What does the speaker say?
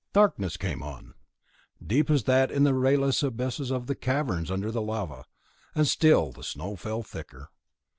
Darkness came on, deep as that in the rayless abysses of the caverns under the lava, and still the snow fell thicker.